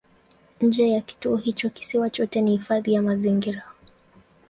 Nje ya kituo hicho kisiwa chote ni hifadhi ya mazingira.